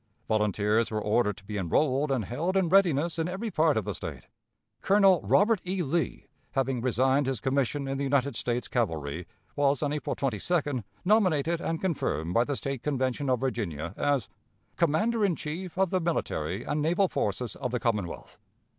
Volunteers were ordered to be enrolled and held in readiness in every part of the State. Colonel Robert E. Lee, having resigned his commission in the United States cavalry, was on April 22d nominated and confirmed by the State Convention of Virginia as "Commander in Chief of the military and naval forces of the Commonwealth."